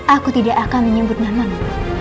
aku tidak akan menyebut namamu